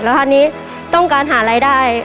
แล้วคราวนี้ต้องการหารายได้